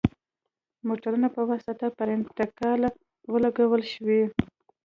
موټرو په واسطه پر انتقال ولګول شوې.